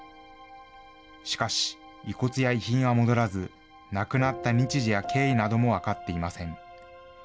しかし、遺骨や遺品は戻らず、亡くなった日時や経緯なども分かっていません。